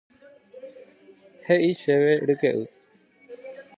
He'i che ryke'y